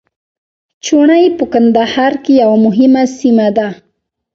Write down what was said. چوڼۍ په کندهار کي یوه مهمه سیمه ده.